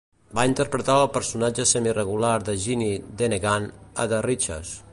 Va interpretar al personatge semiregular de Ginny Dannegan a "The Riches".